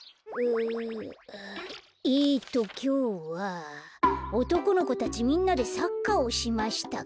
えっときょうは「おとこの子たちみんなでサッカーをしました」か。